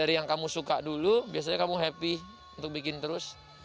dari yang kamu suka dulu biasanya kamu happy untuk bikin terus